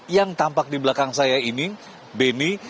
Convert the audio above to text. yang tampak di belakang saya ini beni